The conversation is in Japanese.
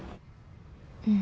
うん。